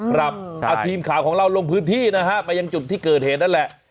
ครับเอาทีมข่าวของเราลงพื้นที่นะฮะไปยังจุดที่เกิดเหตุนั่นแหละ